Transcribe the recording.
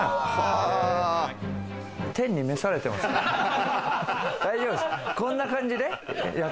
天に召されてます？